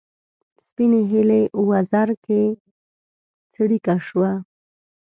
سپینې هیلۍ وزر کې څړیکه شوه